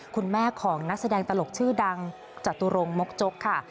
คุณแม่ของนักแสดงตลกชื่อดังจตุรงมกจกค่ะ